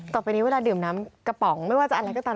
ต่อไปนี้เวลาดื่มน้ำกระป๋องไม่ว่าจะอะไรก็ตาม